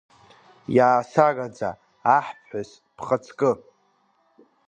Иаасараӡа, аҳԥҳәыс, бхаҵкы!